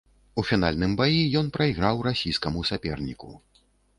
У фінальным баі ён прайграў расійскаму саперніку.